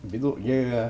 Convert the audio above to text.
ví dụ như